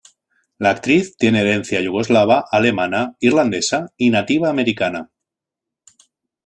La actriz tiene herencia yugoslava, alemana, irlandesa y nativa americana.